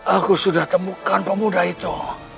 aku sudah temukan pemuda itu